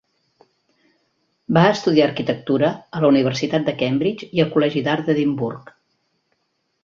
Va estudiar arquitectura a la Universitat de Cambridge i al col·legi d'Art d'Edimburg.